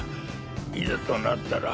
「いざとなったら」。